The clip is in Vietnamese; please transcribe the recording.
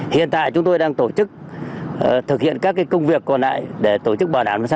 hiện tại chúng tôi đang tổ chức thực hiện các công việc còn lại để tổ chức bảo đảm xã